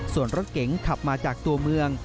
ส่วนรถเก๋งขับมาจากตัวเมือง